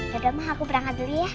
dadah ma aku berangkat dulu ya